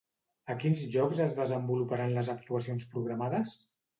A quins llocs es desenvoluparan les actuacions programades?